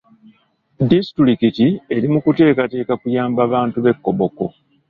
Disitulikiti eri mu kuteekateeka kuyamba bantu b'e Koboko.